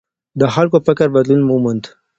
د خلګو فکر بدلون وموند.